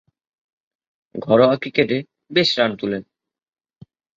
ঘরোয়া ক্রিকেটে বেশ রান তুলেন।